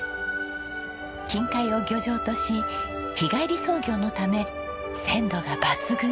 近海を漁場とし日帰り操業のため鮮度が抜群！